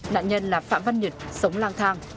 nạn nhân là phạm văn nhật sống lang thang